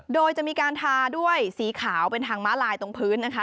โดยจะมีการทาด้วยสีขาวเป็นทางม้าลายตรงพื้นนะคะ